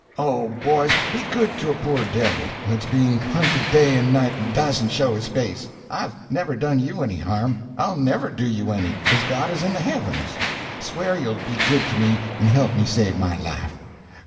Oh, boys, be good to a poor devil that's being hunted day and night, and dasn't show his face! I've never done you any harm; I'll never do you any, as God is in the heavens; swear you'll be good to me and help me save my life."